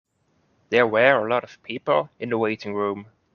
There were a lot of people in the waiting room.